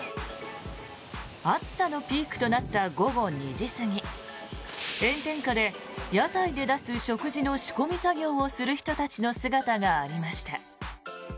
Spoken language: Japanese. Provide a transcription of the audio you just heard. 暑さのピークとなった午後２時過ぎ炎天下で屋台で出す食事の仕込み作業をする人たちの姿がありました。